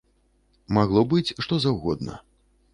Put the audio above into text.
Магло быць што заўгодна.